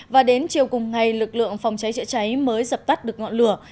và đến chiều cùng ngày lực lượng phòng cháy chữa cháy mới dập tắt được ngọn lửa